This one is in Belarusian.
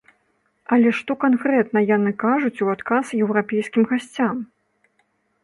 Але што канкрэтна яны кажуць у адказ еўрапейскім гасцям?